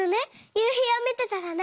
ゆうひをみてたらね。